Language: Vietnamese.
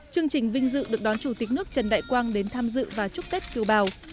chương trình vinh dự được đón chủ tịch nước trần đại quang đến tham dự và chúc tết kiều bào